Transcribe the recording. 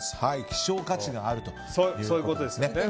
希少価値があるということですね。